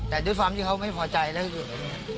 แต่ด้วยความที่เขาไม่พอใจแล้วก็คือ